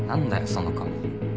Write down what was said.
その顔。